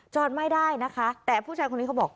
ไม่ได้นะคะแต่ผู้ชายคนนี้เขาบอก